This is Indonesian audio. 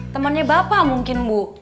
temannya bapak mungkin bu